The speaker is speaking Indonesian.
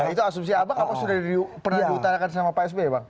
itu asumsi abang apa sudah pernah diutarakan sama pak sby bang